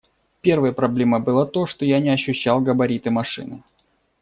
Первой проблемой было то, что я не ощущал габариты машины.